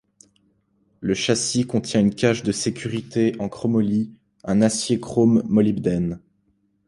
Le châssis contient une cage de sécurité en chromoly, un acier chrome-molybdène.